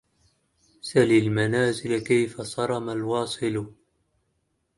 سل المنازل كيف صرم الواصل